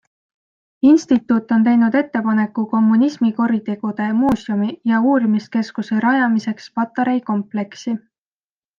Instituut on teinud ettepaneku kommunismikuritegude muuseumi ja uurimiskeskuse rajamiseks Patarei kompleksi.